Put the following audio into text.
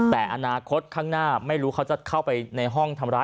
แต่อนาคตข้างหน้าไม่รู้เขาจะเข้าไปในห้องทำร้าย